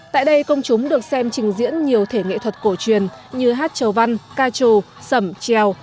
tại đây công chúng được xem trình diễn nhiều thể nghệ thuật cổ truyền như hát trầu văn ca trù sầm treo